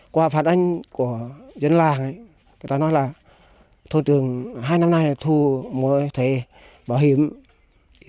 qua phản ánh của dân làng người ta nói là thôn trường hai năm nay thu mỗi thẻ bảo hiểm y tế